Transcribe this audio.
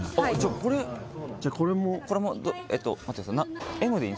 これじゃこれも待ってください